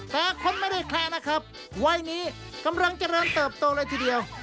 แต่คนไม่ได้แคละนะครับวัยนี้กำลังเจริญเติบโตเลยทีเดียว